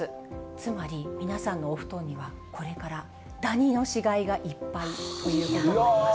つまり皆さんのお布団には、これからダニの死骸がいっぱいということなんです。